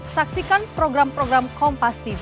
saksikan program program kompas tv